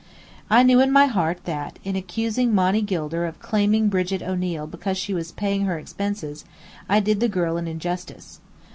I knew in my heart that, in accusing Monny Gilder of claiming Brigit O'Neill because she was paying her expenses, I did the girl an injustice.